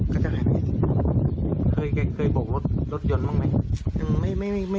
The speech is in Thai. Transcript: ก็จะหายไปอย่างเงี้ยเคยเคยบกรถรถยนต์บ้างไหมอืมไม่ไม่ไม่ไม่